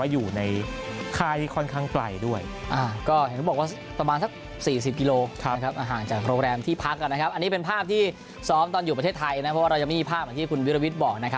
อยู่ประเทศไทยเพราะว่าเรายังไม่มีภาพที่วิรวิทย์บอก